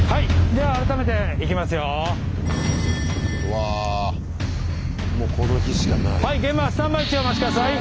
はい現場スタンバイ中お待ち下さい！